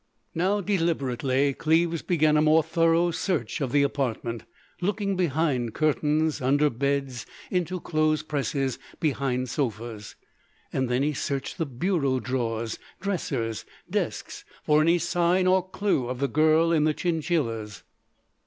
Now, deliberately, Cleves began a more thorough search of the apartment, looking behind curtains, under beds, into clothes presses, behind sofas. Then he searched the bureau drawers, dressers, desks for any sign or clew of the girl in the chinchillas.